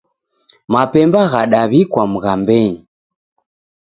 Mapemba ghadaw'ikwa mghambenyi